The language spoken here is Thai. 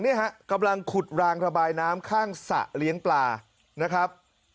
เนี่ยฮะกำลังขุดรางระบายน้ำข้างสระเลี้ยงปลานะครับ